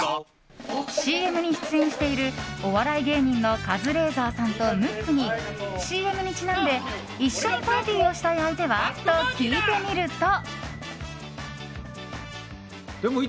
ＣＭに出演しているお笑い芸人のカズレーザーさんとムックにＣＭにちなんで一緒にパーティーをしたい相手は？と聞いてみると。